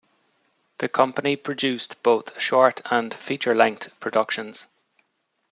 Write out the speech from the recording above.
The company produced both short and feature-length productions.